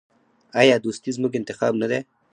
آیا دوستي زموږ انتخاب نه دی؟